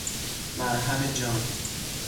مرهم جان